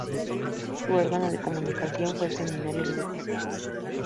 Su órgano de comunicación fue el semanario "Libertad".